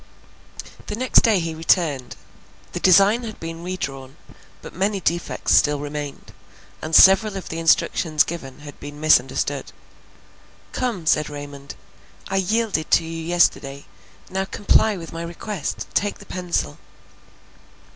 The next day he returned. The design had been re drawn; but many defects still remained, and several of the instructions given had been misunderstood. "Come," said Raymond, "I yielded to you yesterday, now comply with my request—take the pencil."